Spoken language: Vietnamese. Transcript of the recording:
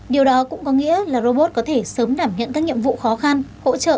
điều đó cũng có nghĩa là robot có thể sớm đảm nhận các nhiệm vụ khó khăn hỗ trợ những người cao tuổi